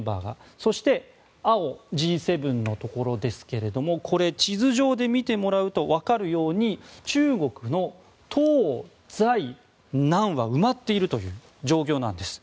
そして青、Ｇ７のところですが地図上で見てもらうとわかるように中国の東西南は埋まっているという状況なんです。